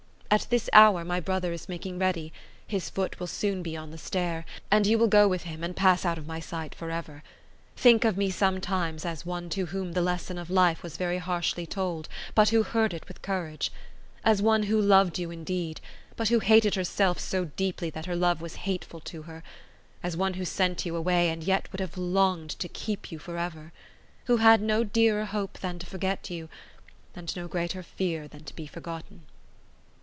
At this hour my brother is making ready; his foot will soon be on the stair; and you will go with him and pass out of my sight for ever. Think of me sometimes as one to whom the lesson of life was very harshly told, but who heard it with courage; as one who loved you indeed, but who hated herself so deeply that her love was hateful to her; as one who sent you away and yet would have longed to keep you for ever; who had no dearer hope than to forget you, and no greater fear than to be forgotten."